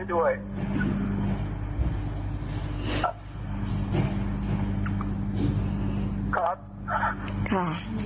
ขอบคุณค่ะ